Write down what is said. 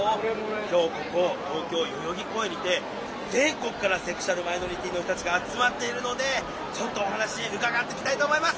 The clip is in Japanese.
今日ここ東京代々木公園にて全国からセクシュアルマイノリティーの人たちが集まっているのでちょっとお話伺ってきたいと思います。